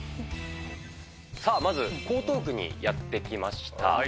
さあ、まず江東区にやって来ました。